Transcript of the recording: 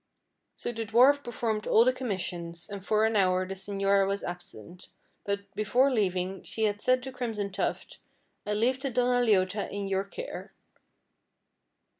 So the dwarf performed all the commissions, and for an hour the señora was absent; but, before leaving, she had said to Crimson Tuft, "I leave the Donna Leota in your care."